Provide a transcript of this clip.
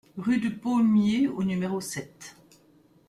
Rue du Paulmier au numéro sept